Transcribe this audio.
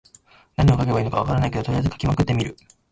何を書けばいいのか分からないけど、とりあえず書きまくってみる。